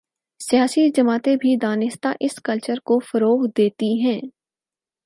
سیاسی جماعتیں بھی دانستہ اس کلچرکو فروغ دیتی ہیں۔